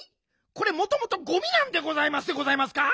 これもともとゴミなんでございますでございますか？